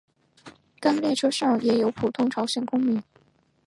该列车上也有普通朝鲜公民。